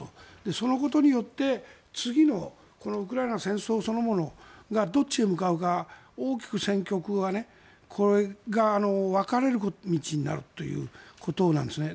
そのことによって次のこのウクライナ戦争そのものがどっちへ向かうか大きく戦局が分かれ道になるということなんですね。